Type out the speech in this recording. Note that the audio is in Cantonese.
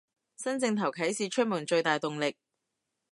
新正頭啟市出門最大動力